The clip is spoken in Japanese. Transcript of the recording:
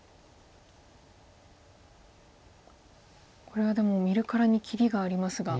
これはでも見るからに切りがありますが。